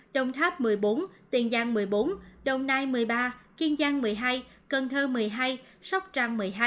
đồng tháp một mươi bốn tiền giang một mươi bốn đồng nai một mươi ba kiên giang một mươi hai cần thơ một mươi hai sóc trăng một mươi hai